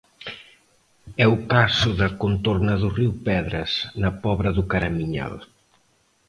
É o caso da contorna do río Pedras, na Pobra do Caramiñal.